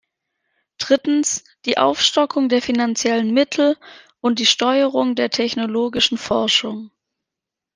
Drittens, die Aufstockung der finanziellen Mittel und die Steuerung der technologischen Forschung.